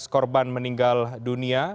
tujuh belas korban meninggal dunia